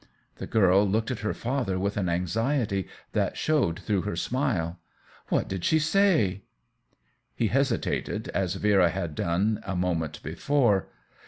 The girl looked at her father with an anxiety that showed through her smile. " What did she say ?" He hesitated, as Vera had done a mo ment before.